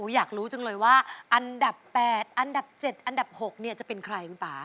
อยากรู้จังเลยว่าอันดับ๘อันดับ๗อันดับ๖จะเป็นใครคุณป่า